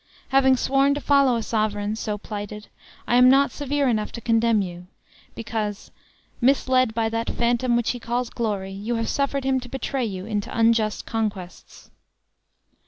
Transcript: Having sworn to follow a sovereign so plighted, I am not severe enough to condemn you, because, misled by that phantom which he calls glory, you have suffered him to betray you into unjust conquests."